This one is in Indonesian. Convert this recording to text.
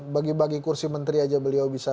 bagi bagi kursi menteri aja beliau bisa